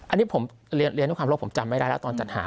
อันนี้ผมเรียนด้วยความโลกผมจำไม่ได้แล้วตอนจัดหา